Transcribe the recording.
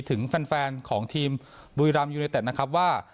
ถึงแฟนของทีมบุรีรามยูเนยเต็ดว่า